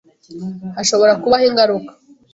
Hashobora kubaho ingaruka.